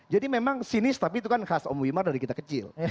jadi memang sinis tapi itu kan khas om wimar dari kita kecil